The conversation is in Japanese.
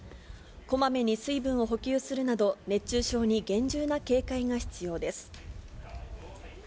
こまめに水分を補給するなど、熱中症に厳重な警戒が必要です。